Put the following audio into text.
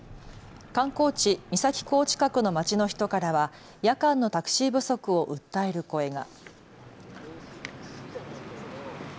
観光地、三崎港近くの街の人からは夜間のタクシー不足を訴える声が。